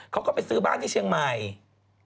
เขาก็ไปซื้อบ้านที่เชียงใหม่